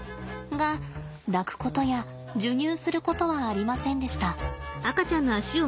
が抱くことや授乳することはありませんでした。